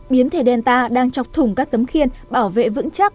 biến thể delta đang chọc thủng các tấm khiên bảo vệ vững chắc